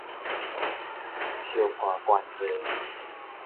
相伴關係